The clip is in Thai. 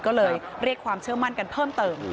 ก็เลยเรียกความเชื่อมั่นกันเพิ่มเติม